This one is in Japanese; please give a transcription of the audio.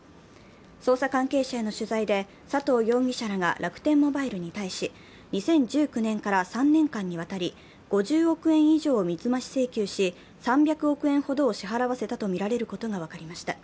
捜査関係者への取材で、佐藤容疑氏らが楽天モバイルに対し２０１９年から３年間にわたり５０億円以上を水増し請求し３００億円ほどを支払わせたとみられることが分かりました。